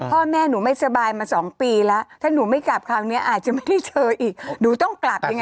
พ่อแม่หนูไม่สบายมา๒ปีแล้วถ้าหนูไม่กลับคราวนี้อาจจะไม่ได้เจออีกหนูต้องกลับยังไง